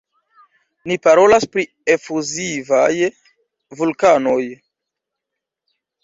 Ni parolas pri efuzivaj vulkanoj.